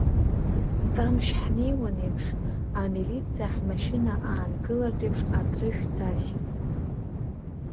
Тамшь ҳнеиуан еиԥш, амилициа ҳмашьына аангылартә еиԥш атрышә дасит.